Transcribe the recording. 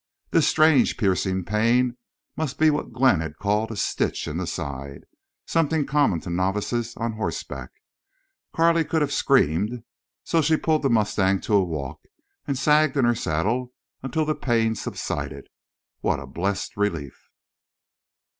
This strange piercing pain must be what Glenn had called a "stitch" in the side, something common to novices on horseback. Carley could have screamed. She pulled the mustang to a walk and sagged in her saddle until the pain subsided. What a blessed relief!